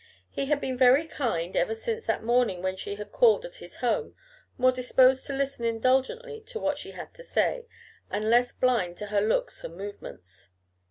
He had been very kind ever since that morning when she had called at his home, more disposed to listen indulgently to what she had to say, and less blind to her looks and movements.